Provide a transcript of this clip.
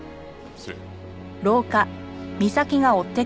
失礼。